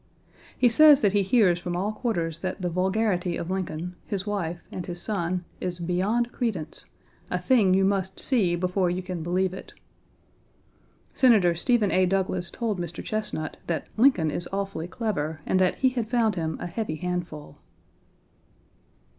He says that he hears from all quarters that the vulgarity of Lincoln, his wife, and his son is beyond credence, a thing you must see before you can believe it. Senator Stephen A. Douglas told Mr. Chesnut that "Lincoln is awfully clever, and that he had found him a heavy handful."